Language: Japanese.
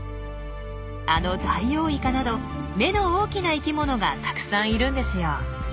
あのダイオウイカなど目の大きな生きものがたくさんいるんですよ。